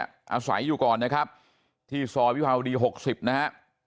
อาศัยอยู่ก่อนนะครับที่ซอยวิภาวดี๖๐นะฮะ